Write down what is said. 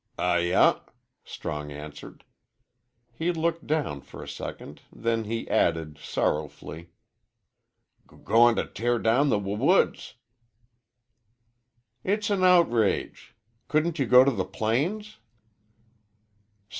"Ay ah," Strong answered. He looked down for a second, then he added, sorrowfully, "G goin' to tear down the w woods." "It's an outrage. Couldn't you go to the plains?"